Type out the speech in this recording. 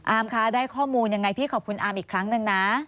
อ้าวคุณได้ข้อมูลยังไงพี่ขอบคุณอ้าวอีกครั้งนึงนะ